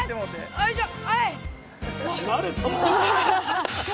よいしょ！